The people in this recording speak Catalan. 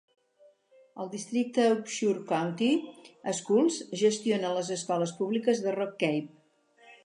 El districte Upshur County Schools gestiona les escoles públiques de Rock Cave.